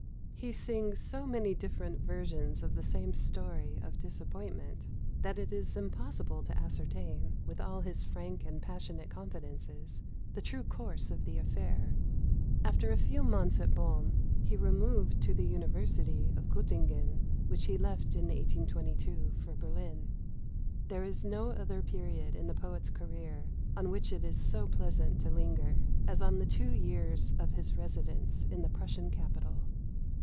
He sings so many different versions of the same story of disappointment, that it is impossible to ascertain, with all his frank and passionate confidences, the true course of the affair. After a few months at Bonn, he removed to the university of Göttingen, which he left in 1822 for Berlin. There is no other period in the poet's career on which it is so pleasant to linger as on the two years of his residence in the Prussian capital.